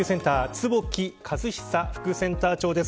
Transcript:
坪木和久副センター長です。